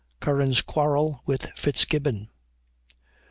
CURRAN'S QUARREL WITH FITZGIBBON.